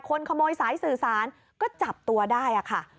คนขโมยสายสื่อสารก็จับตัวได้ค่ะ